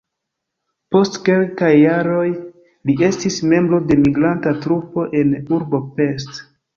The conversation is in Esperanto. Post kelkaj jaroj li estis membro de migranta trupo en urbo Pest.